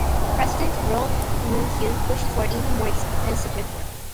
President Roh Moo Hyun pushed for even more extensive reform.